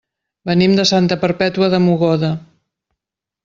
Venim de Santa Perpètua de Mogoda.